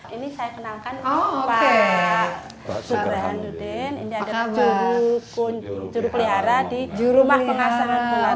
ini saya kenalkan pak sugrahanudin ini ada jurukunjuruk pelihara di jurumah pengasangan bung karno